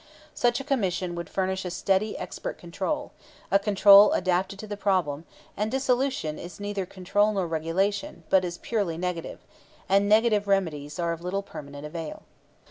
Such a Commission would furnish a steady expert control, a control adapted to the problem; and dissolution is neither control nor regulation, but is purely negative; and negative remedies are of little permanent avail.